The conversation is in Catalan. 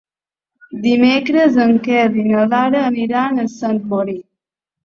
Dimecres en Quel i na Lara aniran a Sant Mori.